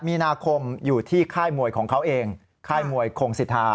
มีนาคมอยู่ที่ค่ายมวยของเขาเองค่ายมวยคงสิทธา